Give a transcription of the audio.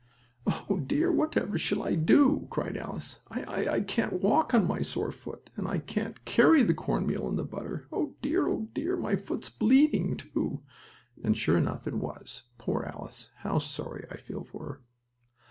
"Oh, dear! Whatever shall I do?" cried Alice again. "I I can't walk on my sore foot, and I can't carry the cornmeal and the butter! Oh, dear! Oh, dear! My foot's bleeding, too!" and, sure enough it was. Poor Alice! How sorry I feel for her.